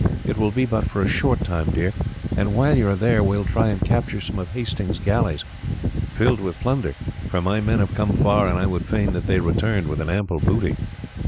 It will be but for a short time, dear; and while you are there we will try and capture some of Hasting's galleys, filled with plunder, for my men have come far, and I would fain that they returned with an ample booty."